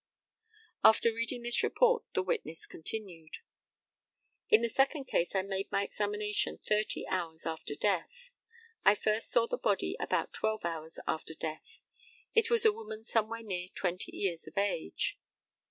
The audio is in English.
] After reading this report the witness continued: In the second case I made my examination thirty hours after death. I first saw the body about twelve hours after death. It was a woman somewhere near twenty years of age.